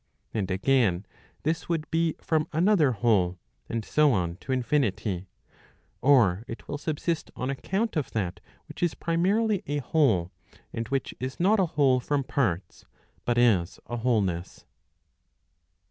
And again, this would be from another whole, and so on, to infinity; or it will subsist on account of that which is prima* rily a whole, and which is not a whole from parts, but is a wholeness.